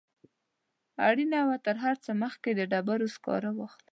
اړینه وه تر هر څه مخکې د ډبرو سکاره واخلم.